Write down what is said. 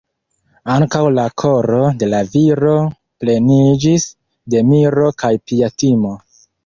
Ankaŭ la koro de la viro pleniĝis de miro kaj pia timo.